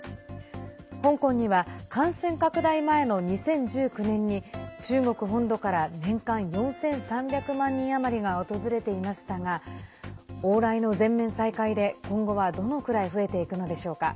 香港には感染拡大前の２０１９年に、中国本土から年間４３００万人余りが訪れていましたが往来の全面再開で今後は、どのぐらい増えていくのでしょうか。